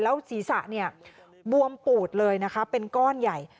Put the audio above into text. ศีรษะเนี่ยบวมปูดเลยนะคะเป็นก้อนใหญ่